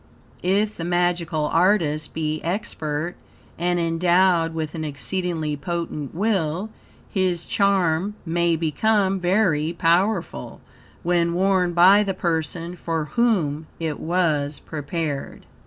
If the magical artist be expert, and endowed with an exceedingly potent will, his charm may become very powerful, when worn by the person for whom it was prepared.